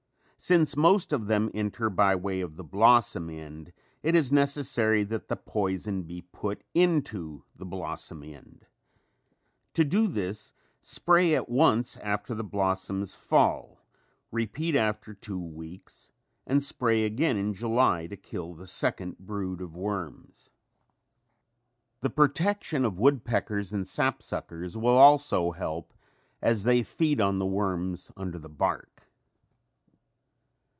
Since most of them enter by way of the blossom end, it is necessary that the poison be put into the blossom end. To do this spray at once after the blossoms fall, repeat after two weeks and spray again in July to kill the second brood of worms. The protection of woodpeckers and sapsuckers will also help as they feed on the worms under the bark.